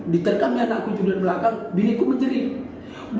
diterkamnya anakku juga di belakang binikku menjerit